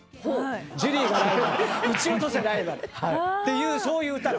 「ジュリーがライバル射ち落とせライバル」っていうそういう歌なの。